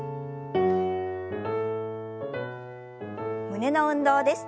胸の運動です。